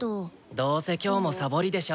どうせ今日もサボりでしょ。